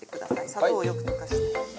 砂糖をよく溶かして。